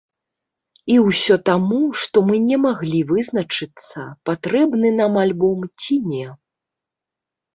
І ўсё таму, што мы не маглі вызначыцца, патрэбны нам альбом, ці не.